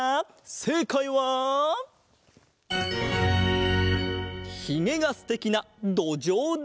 せいかいはひげがすてきなどじょうだ！